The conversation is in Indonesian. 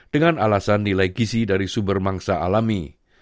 dengan alasan nilai gisi dari sumber mangsa alami